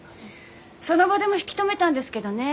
その場でも引き止めたんですけどね